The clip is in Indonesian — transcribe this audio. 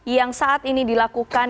yang saat ini dilakukan